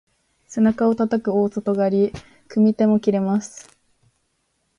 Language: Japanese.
背中をたたく大外刈り、組み手も切れます。